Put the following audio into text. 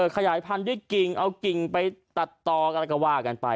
ขยายพันธุ์ด้วยกิ่งเอากิ่งไปตัดต่ออะไรก็ว่ากันไป